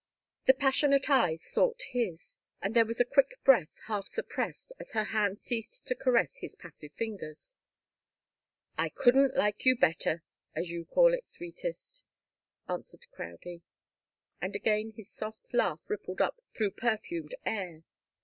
The passionate eyes sought his, and there was a quick breath, half suppressed, as her hand ceased to caress his passive fingers. "I couldn't like you better as you call it, sweetest," answered Crowdie. And again his soft laugh rippled up through perfumed air.